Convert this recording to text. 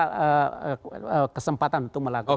kita kesempatan untuk melakukan itu